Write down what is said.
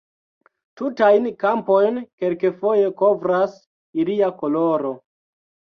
Tutajn kampojn kelkfoje kovras ilia koloro.